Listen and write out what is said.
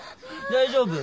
大丈夫？